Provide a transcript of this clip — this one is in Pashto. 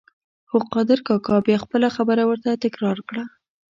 خو قادر کاکا بیا خپله خبره ورته تکرار کړه.